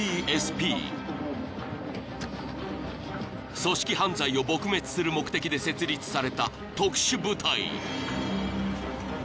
［組織犯罪を撲滅する目的で設立された特殊部隊］